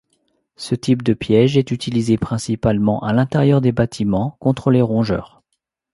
Ce type de piège est utilisé principalement à l'intérieur des bâtiments contre les rongeurs.